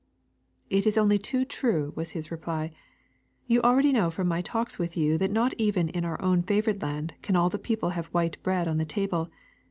'*It is only too true," was his reply. *^You al ready know from my talks with you that not even in our own favored land can all the people have white bread on the table.